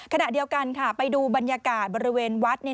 ขณะเดียวกันค่ะไปดูบรรยากาศบริเวณวัด